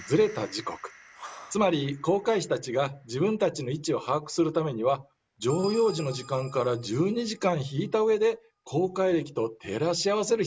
つまり航海士たちが自分たちの位置を把握するためには常用時の時間から１２時間引いたうえで航海暦と照らし合わせる必要があったんです。